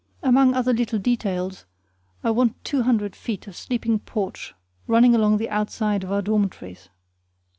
Among other little details I want two hundred feet of sleeping porch running along the outside of our dormitories.